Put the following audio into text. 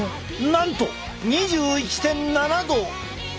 なんと２１．７度！